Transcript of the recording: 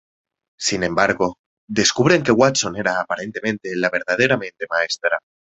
Sin embargo, descubren que Watson era aparentemente la verdadera mente maestra.